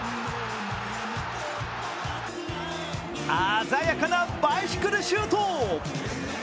鮮やかなバイシクルシュート。